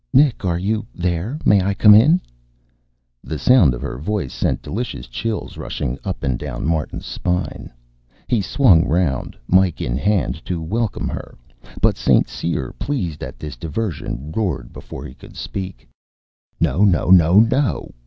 "Nick, are you there? May I come in?" The sound of her voice sent delicious chills rushing up and down Martin's spine. He swung round, mike in hand, to welcome her. But St. Cyr, pleased at this diversion, roared before he could speak. "No, no, no, no!